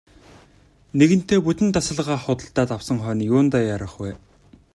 Нэгэнтээ бүтэн тасалгаа худалдаад авсан хойно юундаа яарах вэ.